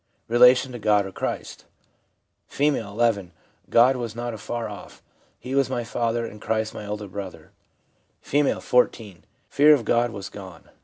Relation to God or Christ. — F., II. 'God was not afar off; He was my Father, and Christ my Elder Brother.' F., 14. ' Fear of God was gone.